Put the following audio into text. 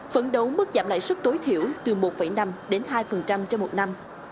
phấn đấu mức giảm lãi xuất tối thiểu từ một năm hai trong một năm